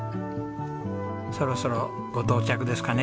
そろそろご到着ですかね？